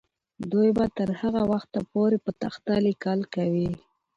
دوی به تر هغه وخته پورې په تخته لیکل کوي.